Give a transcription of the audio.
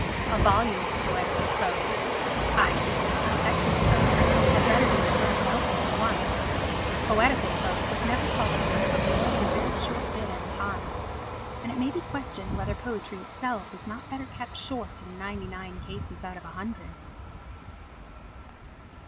A volume of poetical prose, i.e. affected prose, had better be in verse outright at once. Poetical prose is never tolerable for more than a very short bit at a time. And it may be questioned whether poetry itself is not better kept short in ninety nine cases out of a hundred.